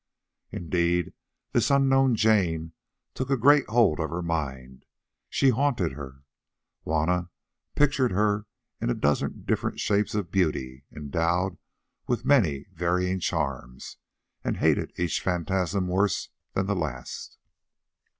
Indeed this unknown Jane took a great hold of her mind—she haunted her. Juanna pictured her in a dozen different shapes of beauty, endowed with many varying charms, and hated each phantasm worse than the last.